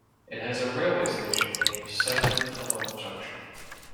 It has a railway station named Severn Tunnel Junction.